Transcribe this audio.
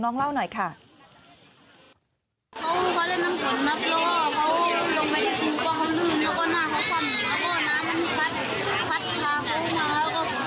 เพื่อนมันมาแล้วก็เห็นเขาไม่ทันแล้วตอนนั้นน้องเล่นอยู่กับใครคะ